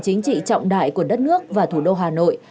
chính trị trọng đại của đất nước và thủ đô hà nội